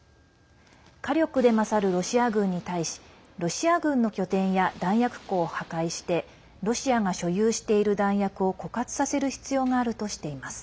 火力で勝るロシア軍に対しロシア軍の拠点や弾薬庫を破壊してロシアが所有している弾薬を枯渇させる必要があるとしています。